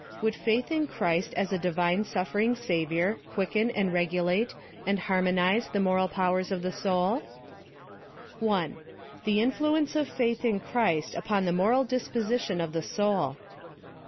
— Would faith in Christ, as a divine suffering Savior, quicken, and regulate, and harmo nize the moral powers of the soul 7 1. The INFLUENCE OF FAITH IN CHRIST UPON THE MORAL DISPOSITION OF THE SOUL.